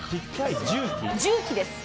重機です。